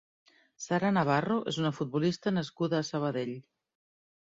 Sara Navarro és una futbolista nascuda a Sabadell.